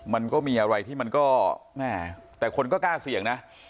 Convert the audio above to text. มันก็มีอะไรที่มันก็แม่แต่คนก็กล้าเสี่ยงนะ